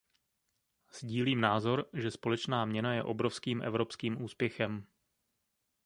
Sdílím názor, že společná měna je obrovským evropským úspěchem.